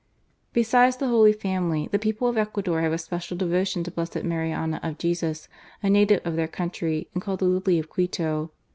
Besides the Holy Family, the people of Ecuador have a special devotion to Blessed Marianna of Jesus, a native of their country, and called The Lily of Quito.